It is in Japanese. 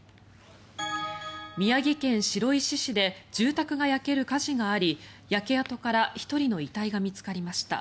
宮城県白石市で住宅が焼ける火事があり焼け跡から１人の遺体が見つかりました。